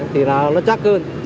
thì là nó chắc hơn